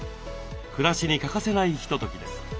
暮らしに欠かせないひとときです。